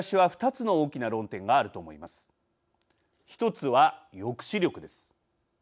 １つは抑止力です。